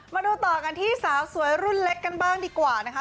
มาดูต่อกันที่สาวสวยรุ่นเล็กกันบ้างดีกว่านะคะ